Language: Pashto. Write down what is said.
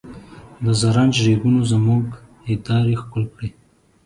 د زرنج ریګونو زموږ هندارې ښکل کړې.